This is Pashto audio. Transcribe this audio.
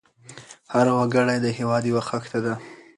هر وګړی د هېواد یو خښته ده.